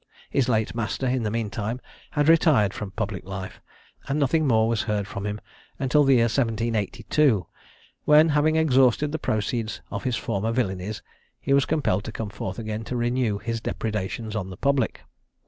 His late master in the mean time had retired from public life, and nothing more was heard of him until the year 1782, when, having exhausted the proceeds of his former villanies, he was compelled to come forth again to renew his depredations on the public.